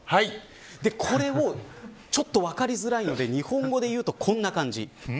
これもちょっと分かりづらいので日本語で言うとこんな感じ。